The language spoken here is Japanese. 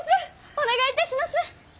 お願いいたします！